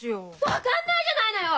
分かんないじゃないのよ！